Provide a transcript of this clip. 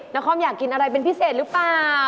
นครอยากกินอะไรเป็นพิเศษหรือเปล่า